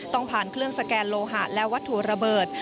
ต้องผ่านเครื่องสแกนโลหะและวัตถุระเบิด